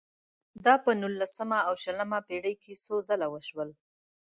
دا په نولسمه او شلمه پېړۍ کې څو ځله وشول.